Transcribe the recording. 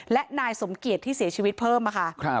และนายสมเกียจที่เสียชีวิตเพิ่มค่ะ